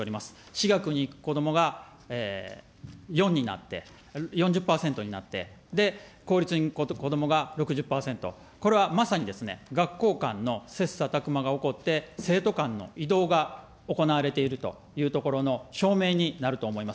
私学に行く子どもが４になって、４０％になって、公立に行く子どもが６０％、これはまさにですね、学校間の切さたく磨が起こって生徒間の移動が行われているというところの証明になると思います。